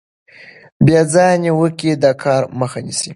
بې ځایه نیوکې د کار مخه نیسي.